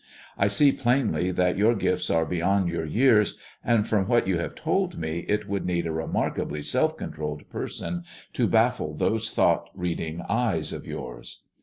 I see plainly that your gifts are be yond your years, and from what you have told me it would need a remarkably self controlled person to baffle those thought reading eyes of yours.